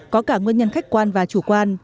có cả nguyên nhân khách quan và chủ quan